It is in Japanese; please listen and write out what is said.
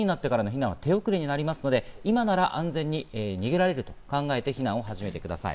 後になってからの避難は手遅れになりますので、今なら安全に逃げられると考えて避難を始めてください。